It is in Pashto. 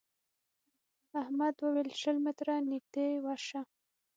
احمد وويل: شل متره نږدې ورشه.